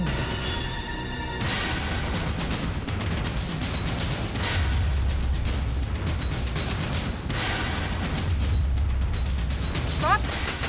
รถ